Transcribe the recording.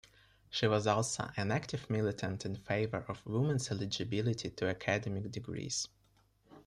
She was also an active militant in favour of women's eligibility to academic degrees.